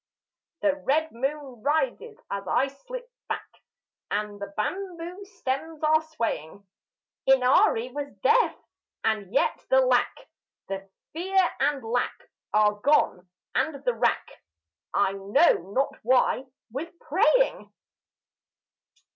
The red moon rises as I slip back, And the bamboo stems are swaying. Inari was deaf and yet the lack, The fear and lack, are gone, and the rack, I know not why with praying.